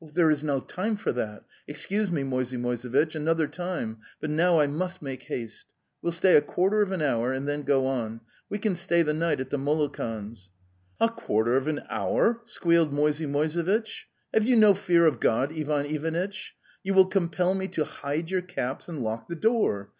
'There is no time for that. ... Excuse me, Moisey Moisevitch, another time; but now I must make haste. We'll stay a quarter of an hour and then go on; we can stay the night at the Molokans'."' '"' A quarter of an hour!" squealed Moisey Moise vitch. '' Have you no fear of God, Ivan Ivanitch? You will compel me to hide your caps and lock the door!